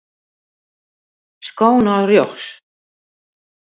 Sko nei rjochts.